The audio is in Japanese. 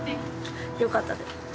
よかったです。